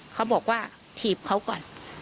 เขาบอกว่าถีบเขาก่อน